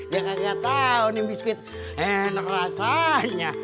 ya kagak tau nih biskuit enak rasanya